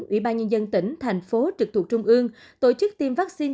ủy ban nhân dân tỉnh thành phố trực thuộc trung ương tổ chức tiêm vaccine